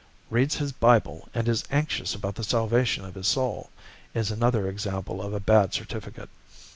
'Reads his Bible and is anxious about the salvation of his soul' is another example of a bad certificate.